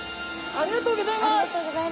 ありがとうございます。